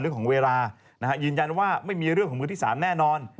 เรื่องของเวลายืนยันว่าไม่มีเรื่องของมือที่๓แน่นอน